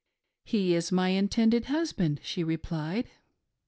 He is my intended husband/' she replied.